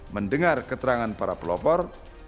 mendengar keterangan para pelopor